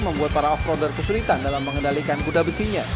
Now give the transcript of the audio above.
membuat para off roader kesulitan dalam mengendalikan kuda besinya